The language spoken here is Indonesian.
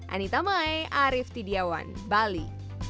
anita mai arief tidiawan bali